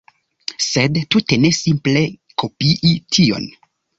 Sed tute ne simple kopii tion